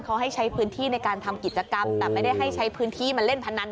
เขาให้ใช้พื้นที่ในการทำกิจกรรมแต่ไม่ได้ให้ใช้พื้นที่มาเล่นพนัน